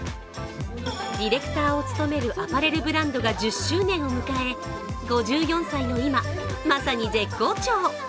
ディレクターを務めるアパレルブランドが１０周年を迎え、５４歳の今、まさに絶好調。